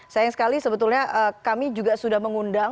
sayang sekali sebetulnya kami juga sudah mengundang